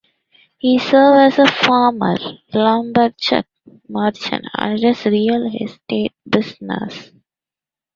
He served as a farmer, lumberjack, merchant, and in the real estate business.